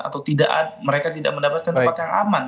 atau mereka tidak mendapatkan tempat yang aman